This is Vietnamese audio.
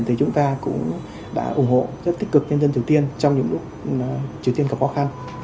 thì chúng ta cũng đã ủng hộ rất tích cực nhân dân triều tiên trong những lúc triều tiên gặp khó khăn